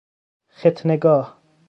ختنه گاه